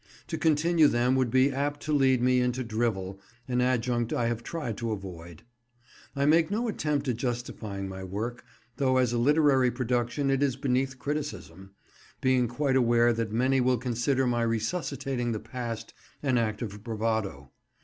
To continue them would be apt to lead me into drivel, an adjunct I have tried to avoid. I make no attempt at justifying my work—though as a literary production it is beneath criticism—being quite aware that many will consider my resuscitating the past an act of bravado.